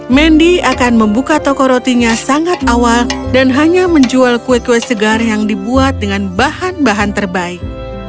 mendi akan membuka toko rotinya sangat awal dan hanya menjual kue kue segar yang dibuat dengan bahan bahan terbaik